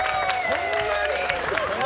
そんなに？